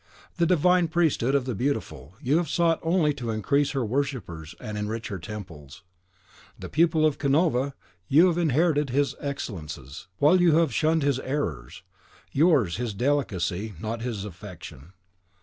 In the divine priesthood of the beautiful, you have sought only to increase her worshippers and enrich her temples. The pupil of Canova, you have inherited his excellences, while you have shunned his errors, yours his delicacy, not his affectation.